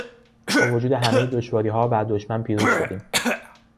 با وجود همهی دشواریها بر دشمن پیروز شدیم.